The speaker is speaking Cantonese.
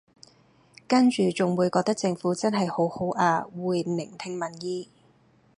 跟住仲會覺得政府真係好好啊會聆聽民意